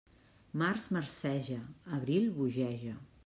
Març marceja, abril bogeja.